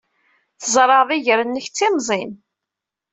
Tzerɛed iger-nnek d timẓin.